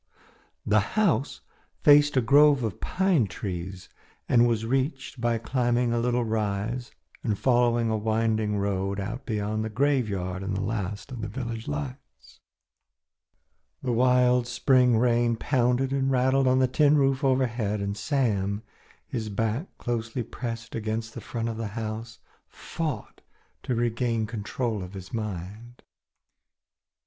The house faced a grove of pine trees and was reached by climbing a little rise and following a winding road out beyond the graveyard and the last of the village lights. The wild spring rain pounded and rattled on the tin roof overhead, and Sam, his back closely pressed against the front of the house, fought to regain control of his mind.